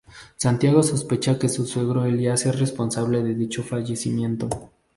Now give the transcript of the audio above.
Santiago sospecha que su suegro Elías es responsable de dicho fallecimiento.